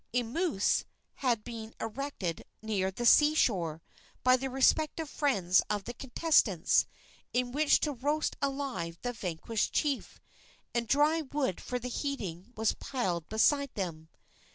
Imus had been erected near the sea shore by the respective friends of the contestants, in which to roast alive the vanquished chief, and dry wood for the heating was piled beside them.